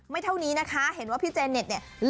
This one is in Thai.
เท่านี้นะคะเห็นว่าพี่เจเน็ตเนี่ย